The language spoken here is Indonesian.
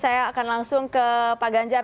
saya akan langsung ke pak ganjar